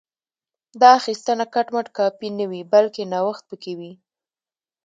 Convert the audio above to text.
دا اخیستنه کټ مټ کاپي نه وي بلکې نوښت پکې وي